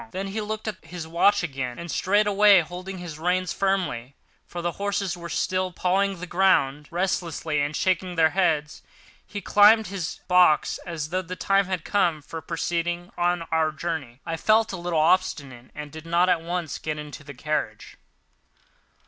Then he looked at his watch again, and, straightway holding his reins firmly—for the horses were still pawing the ground restlessly and shaking their heads—he climbed to his box as though the time had come for proceeding on our journey. I felt a little obstinate and did not at once get into the carriage.